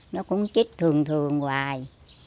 nó cũng chết thường thường hoài